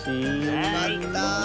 よかった。